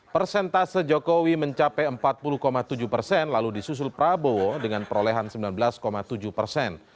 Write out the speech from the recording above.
persentase jokowi mencapai empat puluh tujuh persen lalu disusul prabowo dengan perolehan sembilan belas tujuh persen